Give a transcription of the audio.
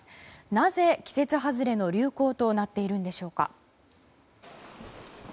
なぜ季節外れの流行となっているんでしょうか。